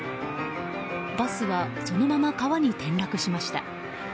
バスはそのまま川に転落しました。